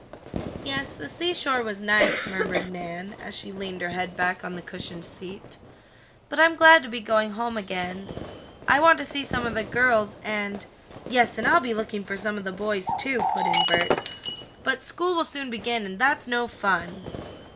"Yes, the seashore was nice," murmured Nan, as she leaned her head back on the cushioned seat, "but I'm glad to be going home again. I want to see some of the girls, and " "Yes, and I'll be looking for some of the boys, too," put in Bert. "But school will soon begin, and that's no fun!"